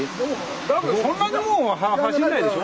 だってそんなにもう走らないでしょ？